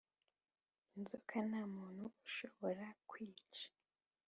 'inzoka nta muntu ushobora kwica